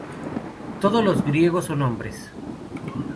Todos los griegos son hombres.